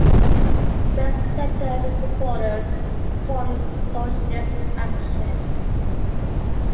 Weisleder and his supporters formed Socialist Action.